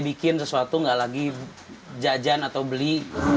mulai bikin sesuatu gak lagi jajan atau beli